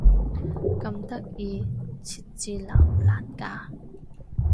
咁得意？設置難唔難㗎？